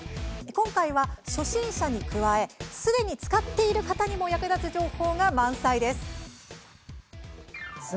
今回は初心者に加えすでに使っている方にも役立つ情報が満載です。